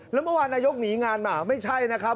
แล้วเมื่อวานนายกหนีงานมาไม่ใช่นะครับ